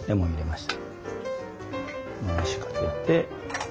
回しかけて。